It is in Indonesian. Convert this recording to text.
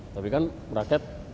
tapi kan rakyat